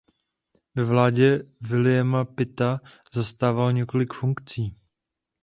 Ve vládě Williama Pitta zastával několik funkcí.